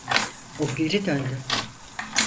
O geri döndü.